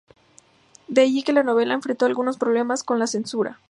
De ahí que la novela enfrentó algunos problemas con la censura.